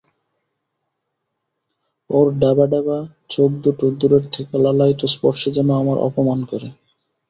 ওর ড্যাবা ড্যাবা চোখ দুটো দূরের থেকে লালায়িত স্পর্শে যেন আমার অপমান করে।